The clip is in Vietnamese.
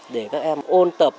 để các em ôn tập